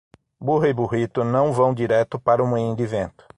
Burra e burrito não vão direto para o moinho de vento.